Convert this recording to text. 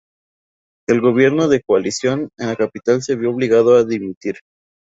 El gobierno de coalición en la capital se vio obligado a dimitir.